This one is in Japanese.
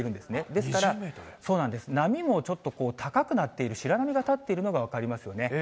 ですから、波もちょっと高くなっている、白波が立っているのが分かりますよね。